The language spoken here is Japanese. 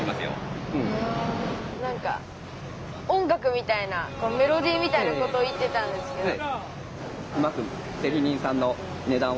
なんか音楽みたいなメロディーみたいなこと言ってたんですけど。